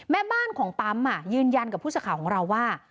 แม่บ้านของปั๊มยืนยันกับผู้สื่อข่าวของเราว่า